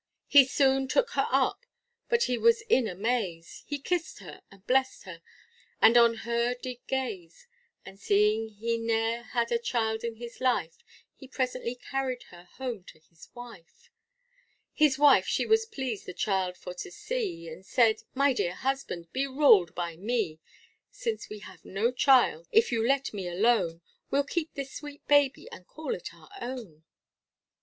He soon took her up, but he was in amaze, He kissed her, and blessed her, and on her did gaze, And seeing he ne'er had a child in his life, He presently carried her home to his wife. His wife she was pleased the child for to see, And said, my dear husband, be ruled by me; Since we have no child, if you let me alone, We'll keep this sweet baby, and call it our own.